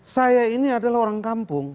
saya ini adalah orang kampung